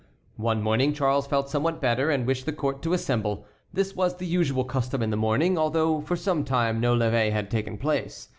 One morning Charles felt somewhat better, and wished the court to assemble. This was the usual custom in the morning, although for some time no levee had taken place.